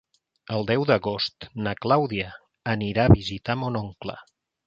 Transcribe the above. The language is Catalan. El deu d'agost na Clàudia anirà a visitar mon oncle.